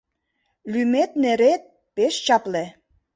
Лӱмет-нерет пеш чапле